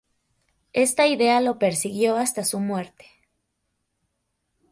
Esta idea lo persiguió hasta su muerte.